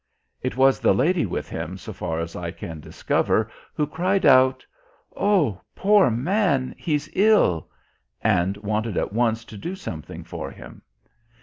It was the lady with him, so far as I can discover, who cried out: "Oh, poor man, he's ill," and wanted at once to do something for him.